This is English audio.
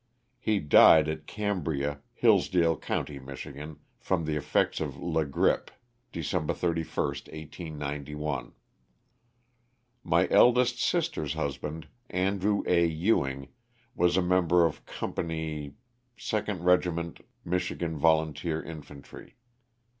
He died at Cambria, Hillsdale county, Mich., from the effects of la grippe, December 31, 1891. My eldest sister's husband, Andrew A. Ewing, was a member of Company —, 2d Regiment Michigan Volunteer Infantry.